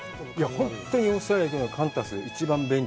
本当にオーストラリア行くのはカンタス、一番便利。